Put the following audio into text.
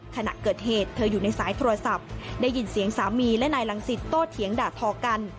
ขณะเกิดเหตุเธออยู่ในสายโทรศัพท์ได้ยินเสียงสามีและนายรังสิตโต้เถียงด่าทอกัน